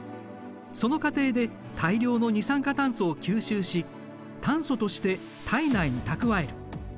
その過程で大量の二酸化炭素を吸収し炭素として体内に蓄える。